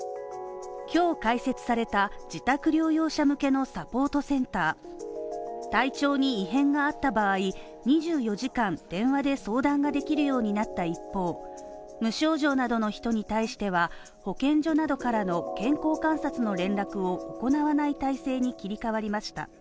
今日開設された自宅療養者向けのサポートセンター体調に異変があった場合、２４時間電話で相談ができるようになった一方、無症状などの人に対しては、保健所などからの健康観察の連絡を行わない体制に切り替わりました。